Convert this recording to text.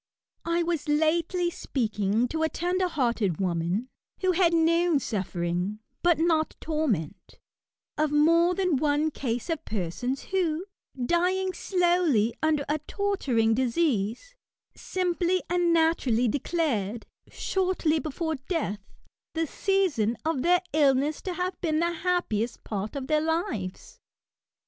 I was lately speaking to a tender hearted woman, who had known suffering, but not torment, of more than one case of persons who, dying slowly under a torturing disease, simply and naturally declared, shortly before death, the season of their illness to have been the happiest part of their lives.